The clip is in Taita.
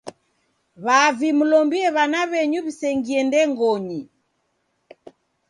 W'avi mlombie w'ana w'enyu w'isengie ndengonyi.